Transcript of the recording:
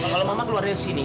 kalau mama keluarnya disini